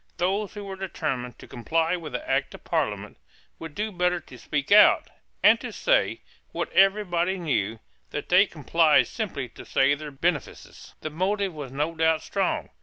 Those who were determined to comply with the Act of Parliament would do better to speak out, and to say, what every body knew, that they complied simply to save their benefices. The motive was no doubt strong.